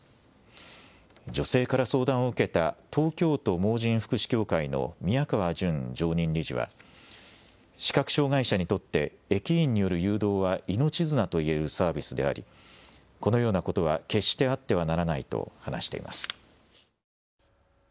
女性から相談を受けた東京都盲人福祉協会の宮川純常任理事は視覚障害者にとって駅員による誘導は命綱といえるサービスでありこのようなことは決してあってはならないと話しています。